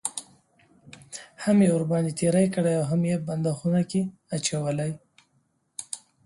هم یې ورباندې تېری کړی اوهم یې بند خونه کې اچولی.